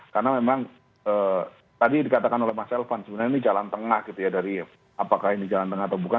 karena memang tadi dikatakan oleh mas elvan sebenarnya ini jalan tengah gitu ya dari apakah ini jalan tengah atau bukan